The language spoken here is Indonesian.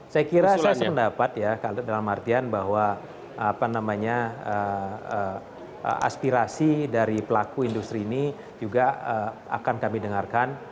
saya kira saya sependapat ya dalam artian bahwa aspirasi dari pelaku industri ini juga akan kami dengarkan